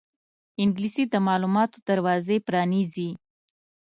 انګلیسي د معلوماتو دروازې پرانیزي